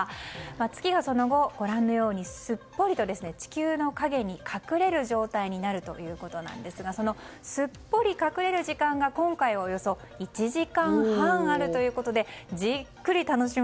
月がその後、ご覧のようにすっぽりと地球の陰に隠れる状態になるということですがそのすっぽり隠れる時間が今回およそ１時間半あるということでじっくりいいですね。